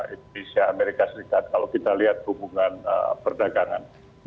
indonesia amerika serikat kalau kita lihat hubungan perdagangan